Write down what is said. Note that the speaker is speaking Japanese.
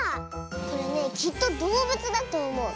これねきっとどうぶつだとおもう。